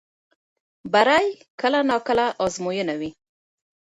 بری کله ناکله ازموینه وي.